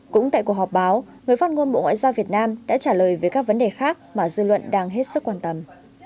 cũng tại cuộc họp báo người phát ngôn bộ ngoại giao việt nam đã trả lời về các vấn đề khác mà dư luận đang hết sức quan tâm